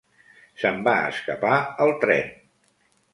Se'm va escapar el tren.